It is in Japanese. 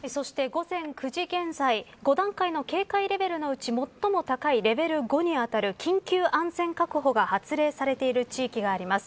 そして、午前９時現在５段階の警戒レベルのうち最も高いレベル５にあたる緊急安全確保が発令されている地域があります。